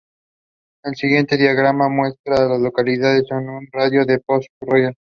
El siguiente diagrama muestra a las localidades en un radio de de Port Royal.